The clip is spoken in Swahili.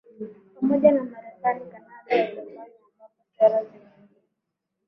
pamoja na Marekani Kanada na Japani ambapo sera zenye nguvu